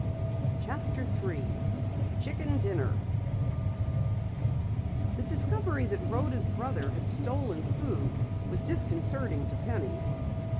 CHAPTER 3 CHICKEN DINNER The discovery that Rhoda's brother had stolen food was disconcerting to Penny.